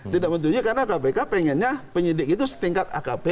tidak menyetujui karena kpk pengennya penyidik itu setingkat akp